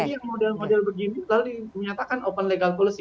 jadi yang model model begini lalu dinyatakan open legal policy